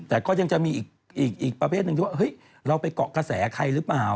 แต่ก็ยังจะมีอีกประเภทหนึ่งที่ว่าเฮ้ยเราไปเกาะกระแสใครหรือเปล่า